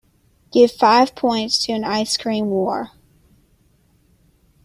Give five points to An Ice-Cream War